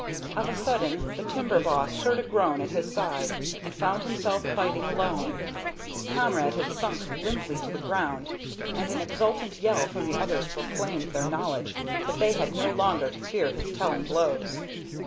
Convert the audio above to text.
Of a sudden the timber boss heard a groan at his side, and found himself fighting alone. His comrade had sunk limply to the ground, and an exultant yell from the others proclaimed their knowledge that they had no longer to fear his telling blows.